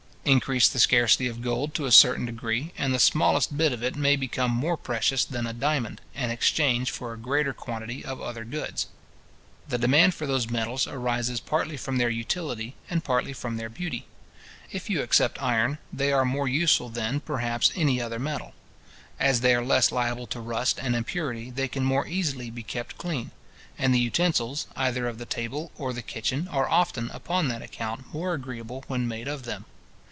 Increase the scarcity of gold to a certain degree, and the smallest bit of it may become more precious than a diamond, and exchange for a greater quantity of other goods. The demand for those metals arises partly from their utility, and partly from their beauty. If you except iron, they are more useful than, perhaps, any other metal. As they are less liable to rust and impurity, they can more easily be kept clean; and the utensils, either of the table or the kitchen, are often, upon that account, more agreeable when made of them.